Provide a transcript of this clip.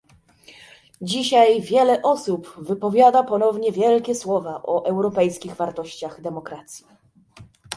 Dzisiaj wiele osób ponownie wypowiada wielkie słowa o europejskich wartościach demokracji